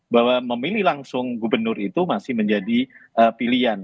bahwa memilih langsung gubernur itu masih menjadi pilihan